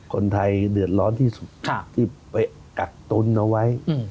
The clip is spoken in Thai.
คนไทยเดือดร้อนที่สุดที่ไปกักตุนเอาไว้